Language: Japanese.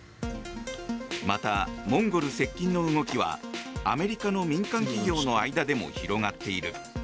また、モンゴル接近の動きはアメリカの民間企業の間でも広がっている。